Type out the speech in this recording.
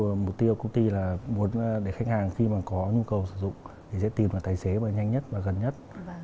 ví dụ mục tiêu của công ty là muốn để khách hàng khi mà có nhu cầu sử dụng thì sẽ tìm được tài xế mà nhanh nhất và gần nhất